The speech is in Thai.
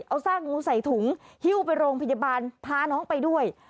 เอาซากงูใส่ถุงหิ้วไปโรงพยาบาลพาน้องไปด้วย